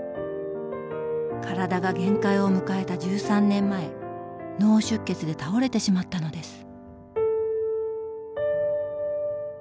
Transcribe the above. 体が限界を迎えた１３年前脳出血で倒れてしまったのです。